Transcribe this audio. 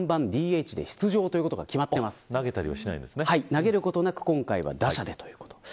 投げることなく今回は打者でということです。